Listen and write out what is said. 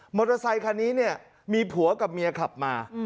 อเตอร์ไซคันนี้เนี่ยมีผัวกับเมียขับมา